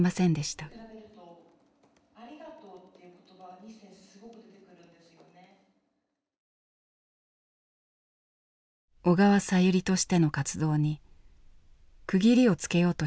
「小川さゆり」としての活動に区切りをつけようとしていました。